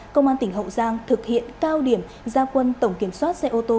công an tỉnh hậu giang thực hiện cao điểm gia quân tổng kiểm soát xe ô tô